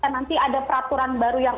nanti ada peraturan baru yang